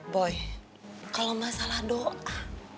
boy kalau masalah doa